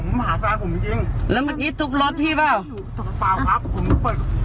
ผมหาแฟนผมจริงจริงแล้วเมื่อกี้ทุบรถพี่เปล่าเปิดนี่ครับอ๋อ